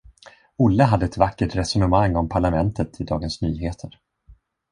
Olle hade ett vackert resonemang om parlamentet i Dagens Nyheter.